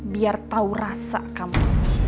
biar tahu rasa kamu